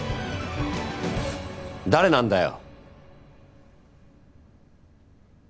誰なんだよ。